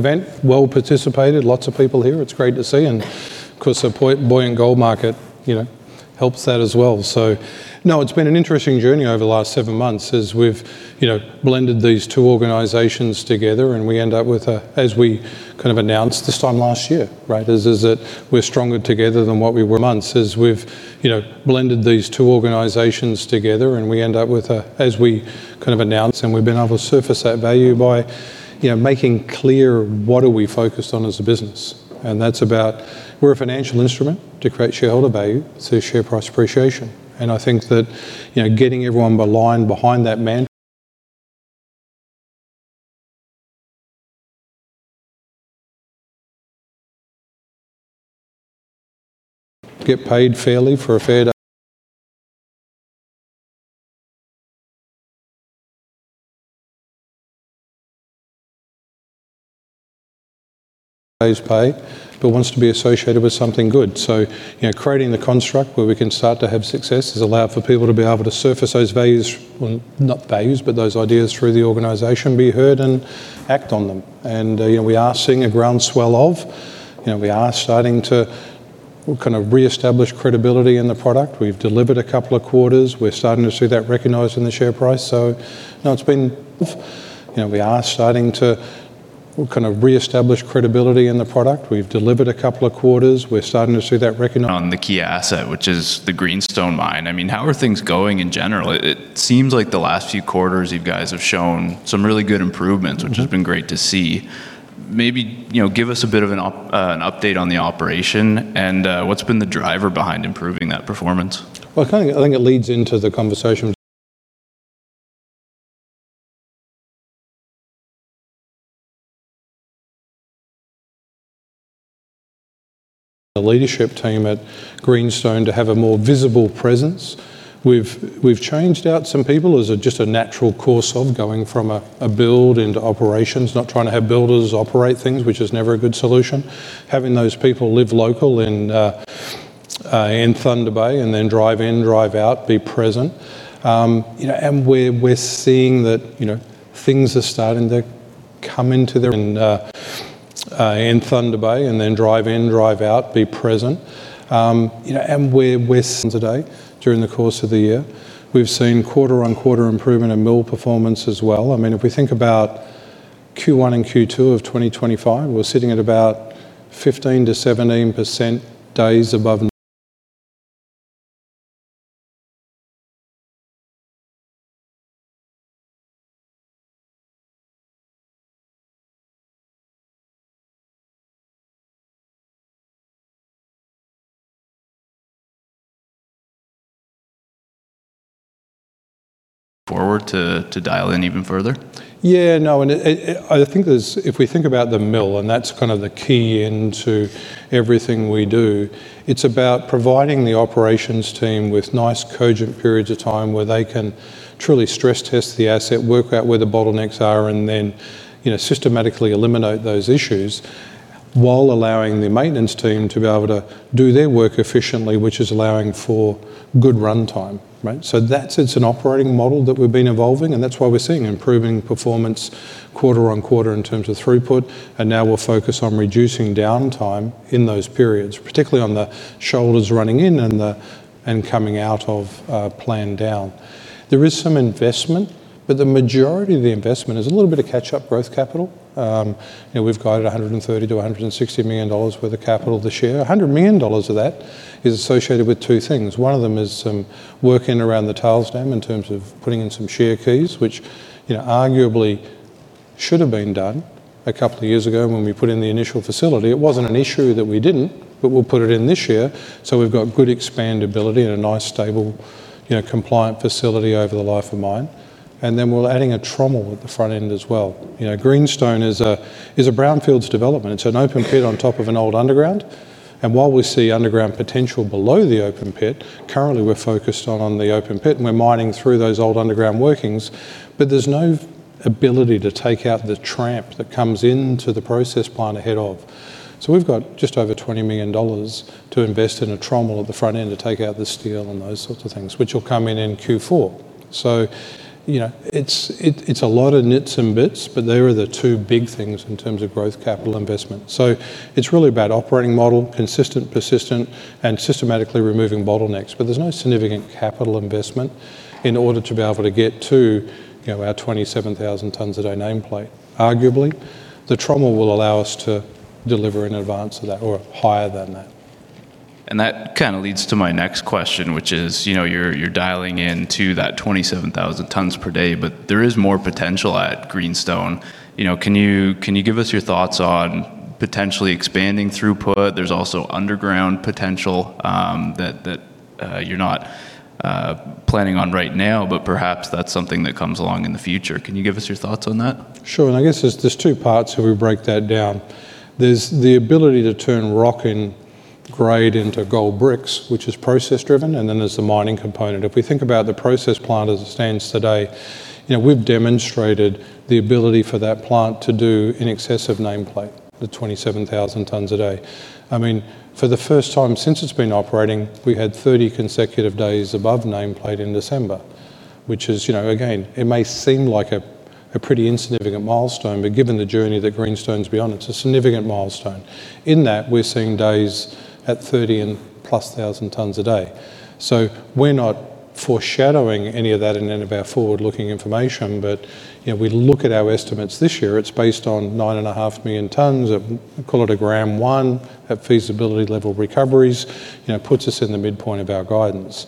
event, well participated, lots of people here, it's great to see, of course, a buoyant gold market, you know, helps that as well. No, it's been an interesting journey over the last seven months as we've, you know, blended these two organizations together, and we end up with, as we kind of announced this time last year, right? Is that we're stronger together than what we were months, is we've, you know, blended these two organizations together, and we end up with a, as we kind of announced, We've been able to surface that value by, you know, making clear what are we focused on as a business. That's about we're a financial instrument to create shareholder value, so share price appreciation. I think that, you know, getting everyone aligned behind that mandate: Get paid fairly for a fair day's pay, but wants to be associated with something good. You know, creating the construct where we can start to have success has allowed for people to be able to surface those values, well, not values, but those ideas through the organization, be heard and act on them. You know, we are seeing a groundswell of. You know, we are starting to kind of reestablish credibility in the product. We've delivered a couple of quarters. We're starting to see that recognized in the share price. No, it's been, you know, we are starting to kind of reestablish credibility in the product. We've delivered a couple of quarters. We're starting to see that recognized. On the key asset, which is the Greenstone mine. I mean, how are things going in general? It seems like the last few quarters, you guys have shown some really good improvements, which has been great to see. Maybe, you know, give us a bit of an update on the operation, and, what's been the driver behind improving that performance? I think, I think it leads into the conversation. The leadership team at Greenstone to have a more visible presence. We've changed out some people as just a natural course of going from a, a build into operations, not trying to have builders operate things, which is never a good solution. Having those people live local in Thunder Bay, and then drive in, drive out, be present. you know, and we're, we're seeing that, you know, things are starting to come into their own in Thunder Bay, and then drive in, drive out, be present. you know, and we're, we're seeing today during the course of the year, we've seen quarter-on-quarter improvement in mill performance as well. I mean, if we think about Q1 and Q2 of 2025, we're sitting at about 15%-17% days above. Forward to dial in even further? Yeah, no and it, it, I think there's, if we think about the mill, and that's kind of the key into everything we do, it's about providing the operations team with nice, cogent periods of time where they can truly stress-test the asset, work out where the bottlenecks are, and then, you know, systematically eliminate those issues while allowing the maintenance team to be able to do their work efficiently, which is allowing for good runtime, right? That's, it's an operating model that we've been evolving, and that's why we're seeing improving performance quarter on quarter in terms of throughput, and now we'll focus on reducing downtime in those periods, particularly on the shoulders running in and coming out of planned down. There is some investment, the majority of the investment is a little bit of catch-up growth capital. You know, we've got $130 million-$160 million worth of capital this year. $100 million of that is associated with two things. One of them is some work in around the tailings dam in terms of putting in some shear keys, which, you know, arguably should have been done a couple of years ago when we put in the initial facility. It wasn't an issue that we didn't, but we'll put it in this year, so we've got good expandability and a nice, stable, you know, compliant facility over the life of mine. Then we're adding a trommel at the front end as well. You know, Greenstone is a, is a brownfields development. It's an open pit on top of an old underground, and while we see underground potential below the open pit, currently we're focused on, on the open pit, and we're mining through those old underground workings. There's no ability to take out the tramp that comes into the process plant ahead of. We've got just over $20 million to invest in a trommel at the front end to take out the steel and those sorts of things, which will come in in Q4. You know, it's a lot of nits and bits, but they are the two big things in terms of growth capital investment. It's really about operating model, consistent, persistent, and systematically removing bottlenecks, but there's no significant capital investment in order to be able to get to, you know, our 27,000 tonnes a day nameplate. Arguably, the trommel will allow us to deliver in advance of that or higher than that. That kind of leads to my next question, which is, you know, you're dialing in to that 27,000 tonnes per day, but there is more potential at Greenstone. You know, can you give us your thoughts on potentially expanding throughput? There's also underground potential that you're not planning on right now, but perhaps that's something that comes along in the future. Can you give us your thoughts on that? Sure. I guess there's, there's two parts if we break that down. There's the ability to turn rock and grade into gold bricks, which is process-driven, and then there's the mining component. If we think about the process plant as it stands today, you know, we've demonstrated the ability for that plant to do in excess of nameplate, the 27,000 tonnes a day. I mean, for the first time since it's been operating, we had 30 consecutive days above nameplate in December, which is, you know, again, it may seem like a pretty insignificant milestone, but given the journey that Greenstone's been on, it's a significant milestone. In that, we're seeing days at 30,000+ tonnes a day. We're not foreshadowing any of that in any of our forward-looking information, but, you know, we look at our estimates this year, it's based on 9.5 million tonnes of, call it a gram 1, at feasibility-level recoveries. You know, it puts us in the midpoint of our guidance.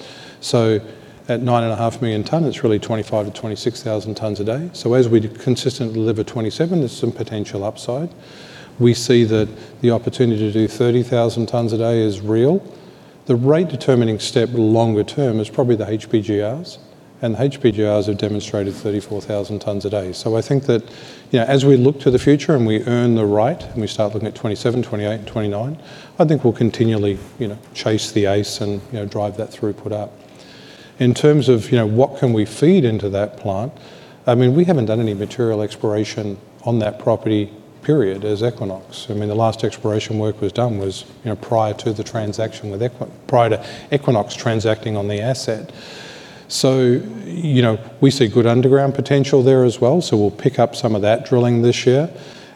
At 9.5 million tonnes, it's really 25,000-26,000 tonnes a day. As we consistently deliver 27,000, there's some potential upside. We see that the opportunity to do 30,000 tonnes a day is real. The rate-determining step longer term is probably the HPGRs, and the HPGRs have demonstrated 34,000 tonnes a day. I think that, you know, as we look to the future and we earn the right, and we start looking at 2027, 2028, and 2029, I think we'll continually, you know, chase the ace and, you know, drive that throughput up. In terms of, you know, what can we feed into that plant, I mean, we haven't done any material exploration on that property, period, as Equinox. I mean, the last exploration work was done was, you know, prior to the transaction with prior to Equinox transacting on the asset. We see good underground potential there as well, so we'll pick up some of that drilling this year.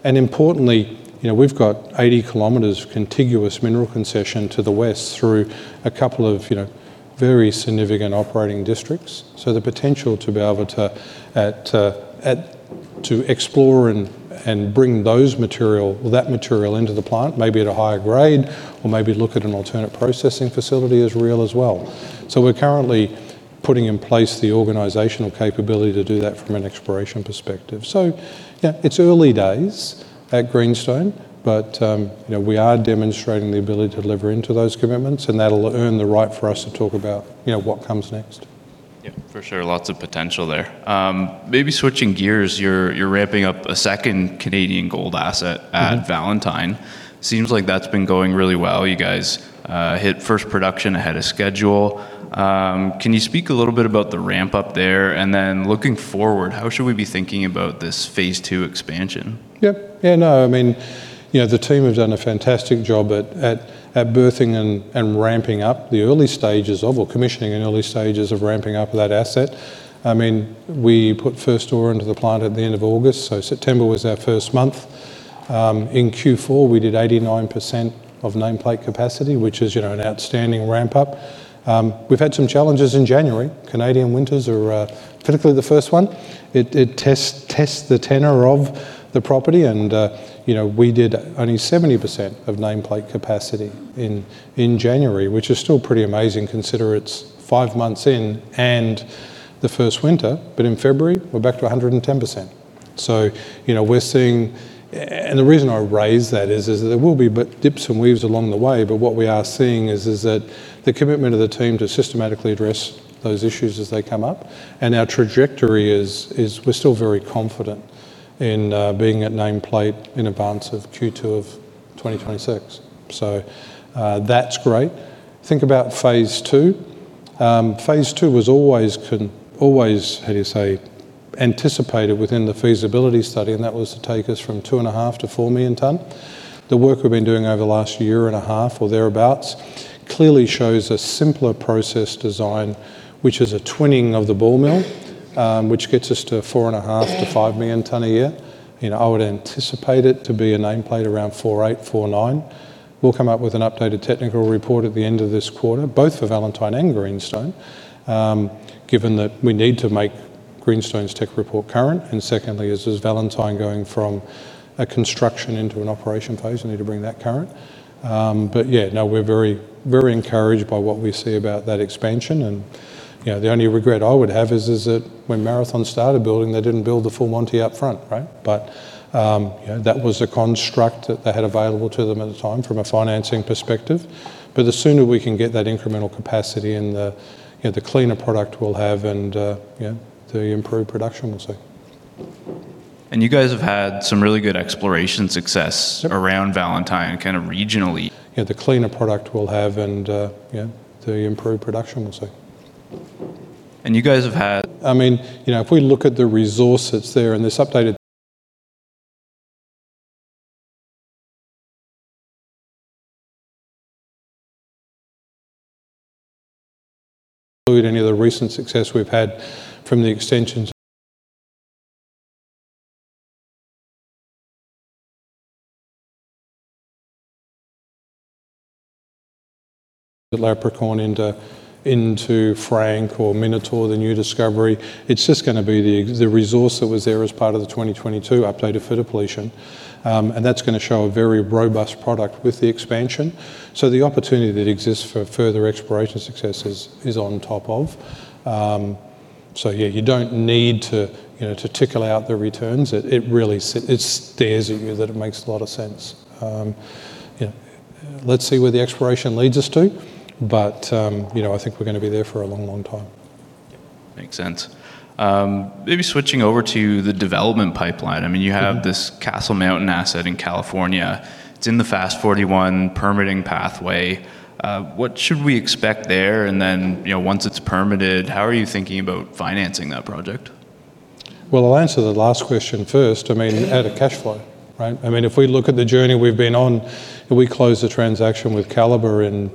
Importantly, you know, we've got 80 km of contiguous mineral concession to the west through a couple of, you know, very significant operating districts. The potential to be able to explore and, and bring those material that material into the plant, maybe at a higher grade, or maybe look at an alternate processing facility, is real as well. We're currently putting in place the organizational capability to do that from an exploration perspective. Yeah, it's early days at Greenstone, but, you know, we are demonstrating the ability to deliver into those commitments, and that'll earn the right for us to talk about, you know, what comes next. Yeah, for sure. Lots of potential there. Maybe switching gears, you're ramping up a second Canadian gold asset at Valentine. Seems like that's been going really well. You guys hit first production ahead of schedule. Can you speak a little bit about the ramp-up there? Then looking forward, how should we be thinking about this phase two expansion? Yeah. Yeah, no, I mean, you know, the team have done a fantastic job at birthing and ramping up commissioning and early stages of ramping up that asset. I mean, we put first ore into the plant at the end of August, so September was our first month. In Q4, we did 89% of nameplate capacity, which is, you know, an outstanding ramp-up. We've had some challenges in January. Canadian winters, typically, the first one, it tests the tenor of the property and, you know, we did only 70% of nameplate capacity in January, which is still pretty amazing, considering it's five months in and the first winter. In February, we're back to 110%. The reason I raise that is that there will be a bit dips and weaves along the way, but what we are seeing is, is that the commitment of the team to systematically address those issues as they come up, and our trajectory is, is we're still very confident in being at nameplate in advance of Q2 of 2026. That's great. Think about phase two. Phase two was always, how do you say, anticipated within the feasibility study, and that was to take us from 2.5 million tonnes to 4 million tonnes. The work we've been doing over the last year and a half or thereabouts, clearly shows a simpler process design, which is a twinning of the ball mill, which gets us to 4.5 million tonnes to 5 million tonnes a year. You know, I would anticipate it to be a nameplate around 4.8-4.9. We'll come up with an updated technical report at the end of this quarter, both for Valentine and Greenstone, given that we need to make Greenstone's tech report current, and secondly is Valentine going from a construction into an operation phase. We need to bring that current. Yeah, no, we're very, very encouraged by what we see about that expansion. You know, the only regret I would have is, is that when Marathon started building, they didn't build the full Monty up front, right? You know, that was a construct that they had available to them at the time from a financing perspective. The sooner we can get that incremental capacity and, you know, the cleaner product we'll have and, yeah, the improved production we'll see. You guys have had some really good exploration success around Valentine and kind of regionally. Yeah, the cleaner product we'll have and, yeah, the improved production we'll see. You guys have had- I mean, you know, if we look at the resource that's there, and this updated. Include any of the recent success we've had from the extensions. The Leprechaun into Frank or Minotaur, the new discovery. It's just gonna be the resource that was there as part of the 2022 updated for depletion. That's gonna show a very robust product with the expansion. The opportunity that exists for further exploration successes is on top of. Yeah, you don't need to, you know, tickle out the returns. It really stares at you that it makes a lot of sense. You know, let's see where the exploration leads us to, but, you know, I think we're gonna be there for a long, long time. Yep, makes sense. Maybe switching over to the development pipeline. I mean, you have this Castle Mountain asset in California. It's in the FAST-41 permitting pathway. What should we expect there? You know, once it's permitted, how are you thinking about financing that project? Well, I'll answer the last question first. I mean, out of cash flow, right? I mean, if we look at the journey we've been on, we closed the transaction with Calibre in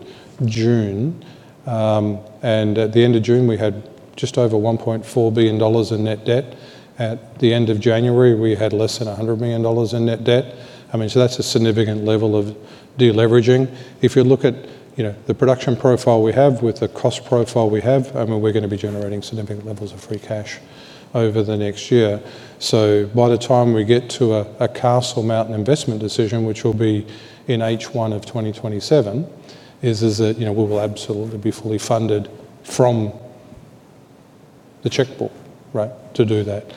June, at the end of June, we had just over $1.4 billion in net debt. At the end of January, we had less than $100 million in net debt. I mean, that's a significant level of de-leveraging. If you look at, you know, the production profile we have with the cost profile we have, I mean, we're gonna be generating significant levels of free cash over the next year. By the time we get to a Castle Mountain investment decision, which will be in H1 of 2027, is that, you know, we will absolutely be fully funded from the checkbook, right, to do that.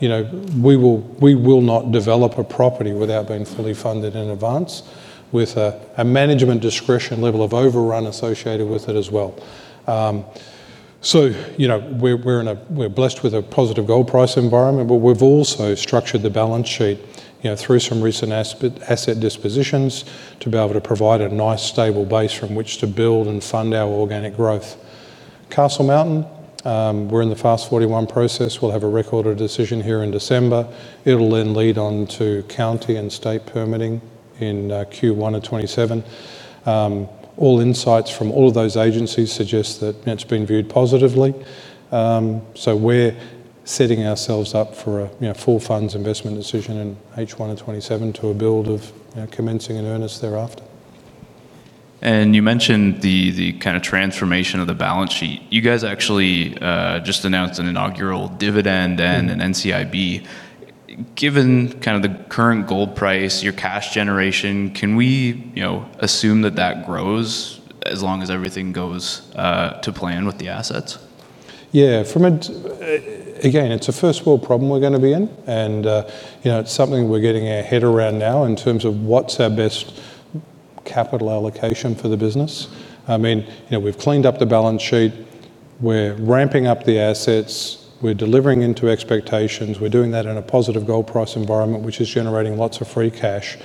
You know, we will not develop a property without being fully funded in advance with a management discretion level of overrun associated with it as well. So, you know, we're in a we're blessed with a positive gold price environment, but we've also structured the balance sheet, you know, through some recent asset dispositions to be able to provide a nice, stable base from which to build and fund our organic growth. Castle Mountain, we're in the FAST-41 process. We'll have a record order decision here in December. It'll then lead on to county and state permitting in Q1 of 2027. All insights from all of those agencies suggest that, you know, it's been viewed positively. We're setting ourselves up for, you know, full funds investment decision in H1 of 2027 to a build of, you know, commencing in earnest thereafter. You mentioned the, the kind of transformation of the balance sheet. You guys actually, just announced an inaugural dividend and an NCIB. Given kind of the current gold price, your cash generation, can we, you know, assume that that grows as long as everything goes to plan with the assets? Yeah, from again, it's a first world problem we're gonna be in, you know, it's something we're getting our head around now in terms of what's our best capital allocation for the business. I mean, you know, we've cleaned up the balance sheet. We're ramping up the assets. We're delivering into expectations. We're doing that in a positive gold price environment, which is generating lots of free cash.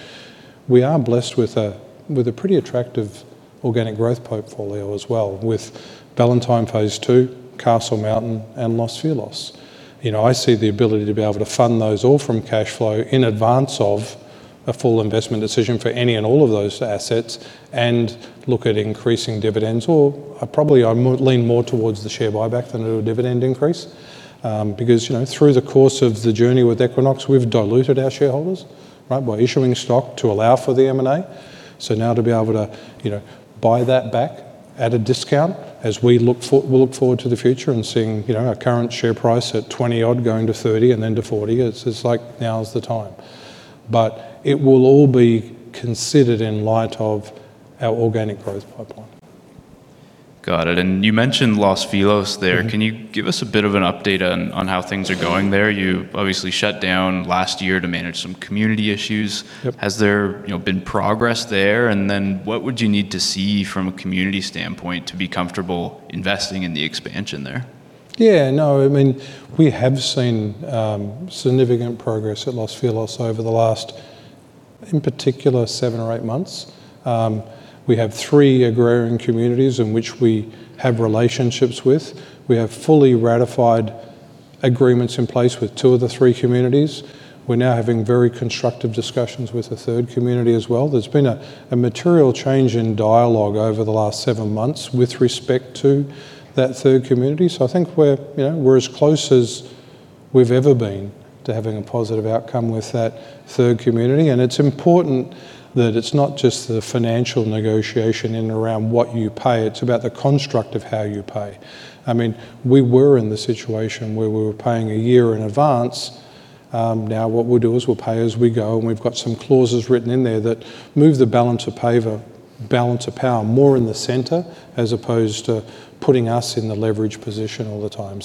We are blessed with a, with a pretty attractive organic growth portfolio as well, with Valentine phase two, Castle Mountain, and Los Filos. You know, I see the ability to be able to fund those all from cash flow in advance of a full investment decision for any and all of those assets and look at increasing dividends, or I probably, I lean more towards the share buyback than a dividend increase. Because, you know, through the course of the journey with Equinox, we've diluted our shareholders, right, by issuing stock to allow for the M&A. Now to be able to, you know, buy that back at a discount as we look forward to the future and seeing, you know, our current share price at 20 odd, going to 30 and then to 40, it's like now is the time. It will all be considered in light of our organic growth pipeline. Got it. You mentioned Los Filos there. Can you give us a bit of an update on how things are going there? You obviously shut down last year to manage some community issues. Yep. Has there, you know, been progress there? Then what would you need to see from a community standpoint to be comfortable investing in the expansion there? Yeah, no, I mean, we have seen significant progress at Los Filos over the last, in particular, seven or eight months. We have three agrarian communities in which we have relationships with. We have fully ratified agreements in place with two of the three communities. We're now having very constructive discussions with the third community as well. There's been a material change in dialogue over the last seven months with respect to that third community. I think we're, you know, we're as close as we've ever been to having a positive outcome with that third community. It's important that it's not just the financial negotiation in and around what you pay, it's about the construct of how you pay. I mean, we were in the situation where we were paying a year in advance. Now what we'll do is we'll pay as we go, and we've got some clauses written in there that move the balance of paver, balance of power more in the center, as opposed to putting us in the leverage position all the time.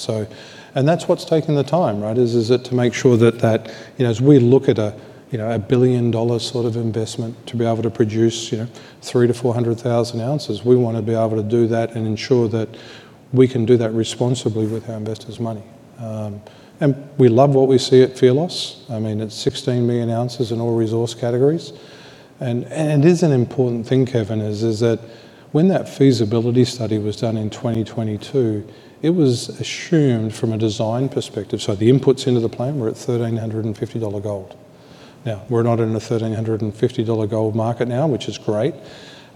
That's what's taking the time, right? Is it to make sure that, you know, as we look at a, you know, a $1 billion-dollar sort of investment to be able to produce, you know, 300,000 oz-400,000 oz, we wanna be able to do that and ensure that we can do that responsibly with our investors' money. We love what we see at Filos. I mean, it's 16 million ounces in all resource categories. This is an important thing, Kevin, is that when that feasibility study was done in 2022, it was assumed from a design perspective, so the inputs into the plan were at $1,350 gold. Now, we're not in a $1,350 gold market now, which is great.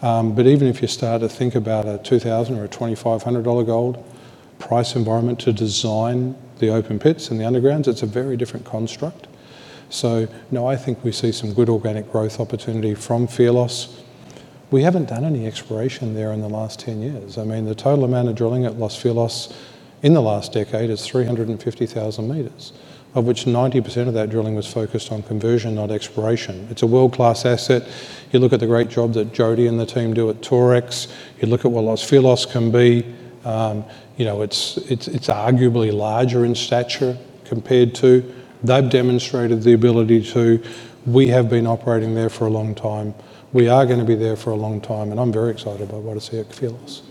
Even if you start to think about a $2,000 or a $2,500 gold price environment to design the open pits and the undergrounds, it's a very different construct. No, I think we see some good organic growth opportunity from Filos. We haven't done any exploration there in the last 10 years. I mean, the total amount of drilling at Los Filos in the last decade is 350,000 meters, of which 90% of that drilling was focused on conversion, not exploration. It's a world-class asset. You look at the great job that Jody and the team do at Torex. You look at what Los Filos can be, you know, it's, it's, it's arguably larger in stature compared to, they've demonstrated the ability to. We have been operating there for a long time. We are gonna be there for a long time, and I'm very excited by what I see at Filos.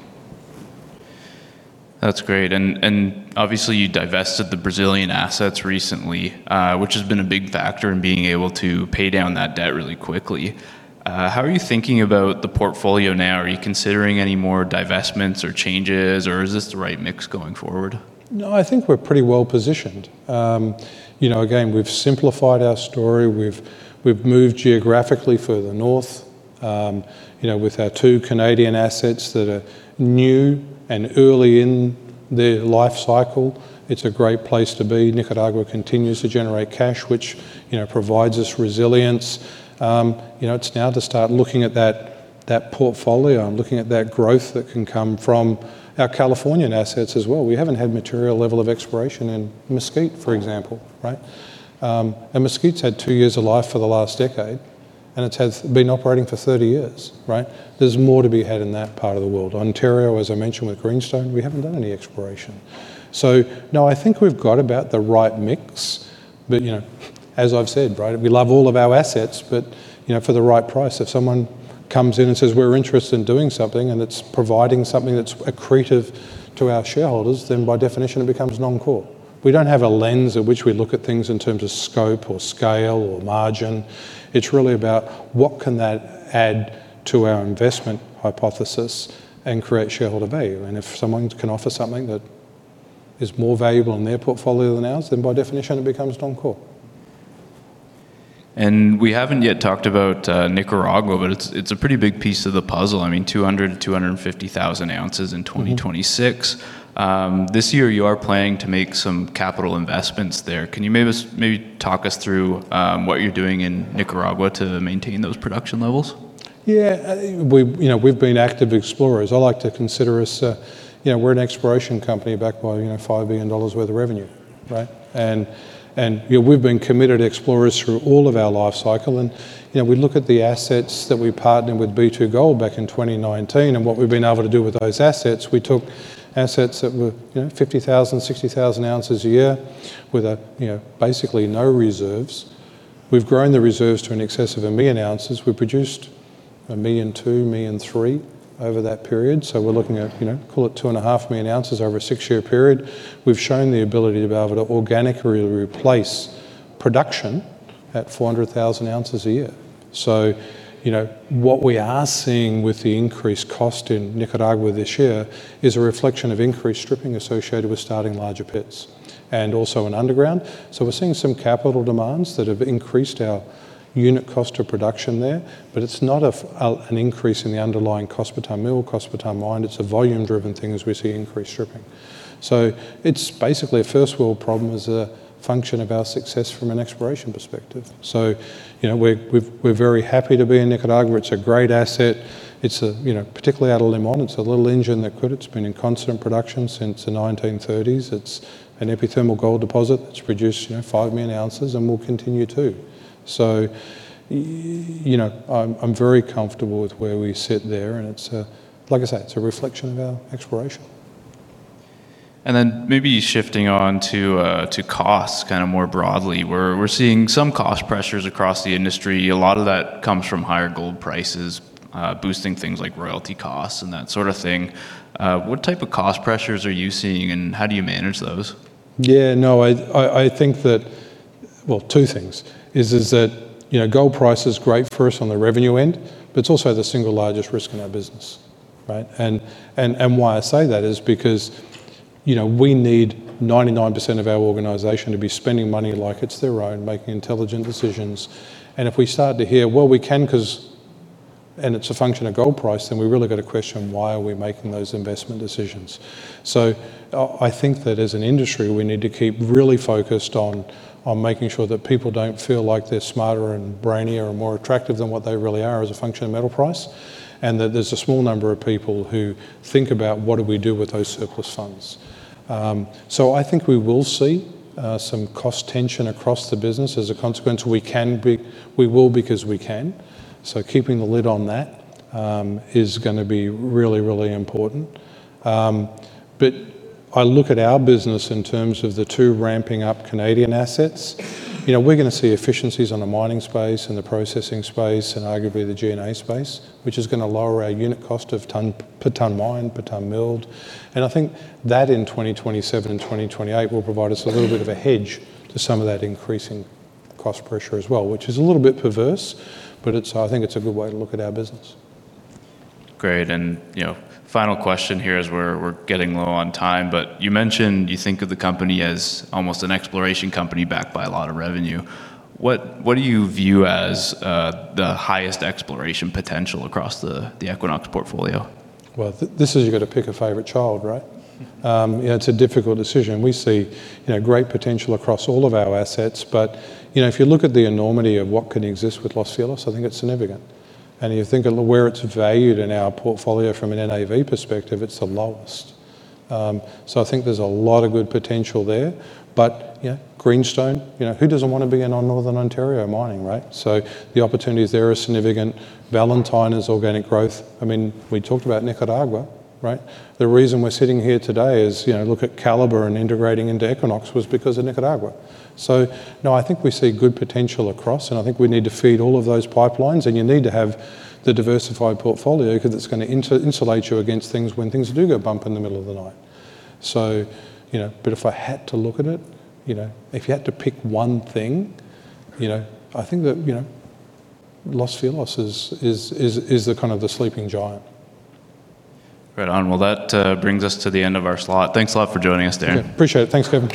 That's great. And obviously, you divested the Brazilian assets recently, which has been a big factor in being able to pay down that debt really quickly. How are you thinking about the portfolio now? Are you considering any more divestments or changes, or is this the right mix going forward? No, I think we're pretty well positioned. you know, again, we've simplified our story. We've, we've moved geographically further north, you know, with our two Canadian assets that are new and early in their life cycle. It's a great place to be. Nicaragua continues to generate cash, which, you know, provides us resilience. you know, it's now to start looking at that, that portfolio and looking at that growth that can come from our Californian assets as well. We haven't had material level of exploration in Mesquite, for example, right? Mesquite's had two years of life for the last decade, and it has been operating for 30 years, right? There's more to be had in that part of the world. Ontario, as I mentioned, with Greenstone, we haven't done any exploration. No, I think we've got about the right mix, but, you know, as I've said, right, we love all of our assets, but, you know, for the right price. If someone comes in and says, we're interested in doing something, it's providing something that's accretive to our shareholders, then by definition it becomes non-core. We don't have a lens at which we look at things in terms of scope or scale or margin. It's really about what can that add to our investment hypothesis and create shareholder value, if someone can offer something that is more valuable in their portfolio than ours, then by definition it becomes non-core. We haven't yet talked about Nicaragua, but it's a pretty big piece of the puzzle. I mean, 200,000 oz-250,000 oz in 2026. This year you are planning to make some capital investments there. Can you maybe talk us through what you're doing in Nicaragua to maintain those production levels? Yeah, I think we've, you know, we've been active explorers. I like to consider us, you know, we're an exploration company backed by, you know, $5 billion worth of revenue, right? We've been committed explorers through all of our life cycle. We look at the assets that we partnered with B2Gold back in 2019, and what we've been able to do with those assets, we took assets that were, you know, 50,000 oz to 60,000 oz a year with, you know, basically no reserves. We've grown the reserves to in excess of 1 million ounces. We've produced 1.2 million, 1.3 million over that period. We're looking at, you know, call it 2.5 million ounces over a six-year period. We've shown the ability to be able to organically replace production at 400,000 oz a year. you know, what we are seeing with the increased cost in Nicaragua this year is a reflection of increased stripping associated with starting larger pits and also in underground. We're seeing some capital demands that have increased our unit cost of production there, but it's not a an increase in the underlying cost per tonnes mill, cost per tonne mined. It's a volume-driven thing as we see increased stripping. It's basically a first-world problem as a function of our success from an exploration perspective. you know, we're very happy to be in Nicaragua. It's a great asset. It's, you know, particularly out of Limón, it's a little engine that could. It's been in constant production since the 1930s. It's an epithermal gold deposit that's produced, you know, 5 million ounces and will continue to. You know, I'm very comfortable with where we sit there, and it's like I said, it's a reflection of our exploration. Then maybe shifting on to costs kind of more broadly. We're, we're seeing some cost pressures across the industry. A lot of that comes from higher gold prices, boosting things like royalty costs and that sort of thing. What type of cost pressures are you seeing, and how do you manage those? Yeah, no, I think that Well, two things, is, is that, you know, gold price is great for us on the revenue end, but it's also the single largest risk in our business, right? Why I say that is because, you know, we need 99% of our organization to be spending money like it's their own, making intelligent decisions. If we start to hear, well, we can because, and it's a function of gold price, then we've really got to question why are we making those investment decisions? I think that as an industry, we need to keep really focused on, on making sure that people don't feel like they're smarter and brainier and more attractive than what they really are as a function of metal price, and that there's a small number of people who think about what do we do with those surplus funds. I think we will see some cost tension across the business as a consequence. We will because we can. Keeping the lid on that is going to be really, really important. I look at our business in terms of the twp ramping up Canadian assets. You know, we're going to see efficiencies on the mining space and the processing space and arguably the G&A space, which is going to lower our unit cost of tonne, per tonne mined, per tonne milled. I think that in 2027 and 2028 will provide us a little bit of a hedge to some of that increasing cost pressure as well, which is a little bit perverse, but it's, I think it's a good way to look at our business. Great. You know, final question here as we're getting low on time, but you mentioned you think of the company as almost an exploration company backed by a lot of revenue. What, what do you view as the highest exploration potential across the Equinox portfolio? Well, this is you've got to pick a favorite child, right? You know, it's a difficult decision. We see, you know, great potential across all of our assets, but, you know, if you look at the enormity of what can exist with Los Filos, I think it's significant. You think of where it's valued in our portfolio from an NAV perspective, it's the lowest. So I think there's a lot of good potential there. Yeah, Greenstone, you know, who doesn't want to be in on Northern Ontario mining, right? The opportunities there are significant. Valentine is organic growth. I mean, we talked about Nicaragua, right? The reason we're sitting here today is, you know, look at Calibre and integrating into Equinox was because of Nicaragua. No, I think we see good potential across, and I think we need to feed all of those pipelines, and you need to have the diversified portfolio because it's gonna insulate you against things when things do go bump in the middle of the night. You know, if I had to look at it, you know, if you had to pick one thing, you know, I think that, you know, Los Filos is the kind of the sleeping giant. Right on. Well, that brings us to the end of our slot. Thanks a lot for joining us, Darren. Appreciate it. Thanks, Kevin.